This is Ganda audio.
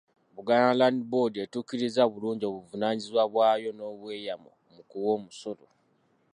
Buganda Land Board etuukiriza bulungi obuvunaanyizibwa bwayo n’obweyamo mu kuwa omusolo.